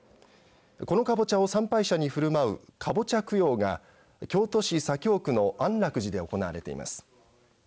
このカボチャを参拝者にふるまうカボチャ供養が京都市左京区の安楽寺で行われています。